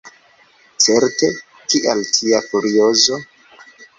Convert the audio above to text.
Certe; kial tia furiozo?